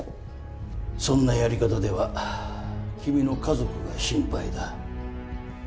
そんなやり方では君の家族が心配だ。